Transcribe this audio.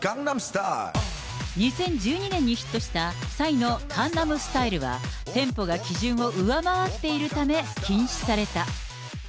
２０１２年にヒットした、ＰＳＹの江南スタイルは、テンポが基準を上回っているため禁止された。